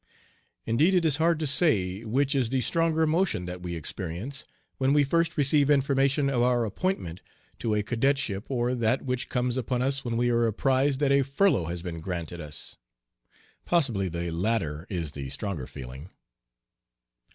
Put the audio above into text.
Indeed it is hard to say which is the stronger emotion that we experience when we first receive information of our appointment to a cadetship, or that which comes upon us when we are apprised that a furlough has been granted us. Possibly the latter is the stronger feeling.